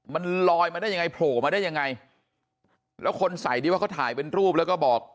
มันลอยมาได้ยังไงโผล่มาได้ยังไงแล้วคนใส่ที่ว่าเขาถ่ายเป็นรูปแล้วก็บอก